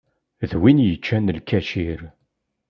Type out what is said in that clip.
D win yeččan lkacir.